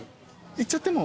行っちゃっても。